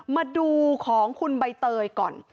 มาดูของคุณใบเตยก่อน